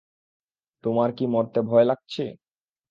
তোমার কি মরতে ভয় লাগছে?